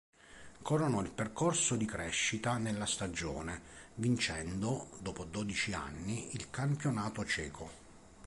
Coronò il percorso di crescita nella stagione, vincendo, dopo dodici anni, il campionato ceco.